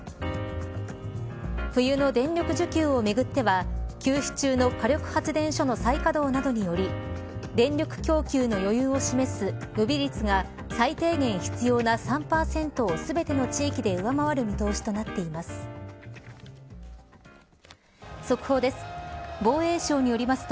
冬の電力需給をめぐっては休止中の火力発電所の再稼働などにより電力供給の余裕を示す予備率が最低限必要な３％を全ての地域で上回る見通しとなっています。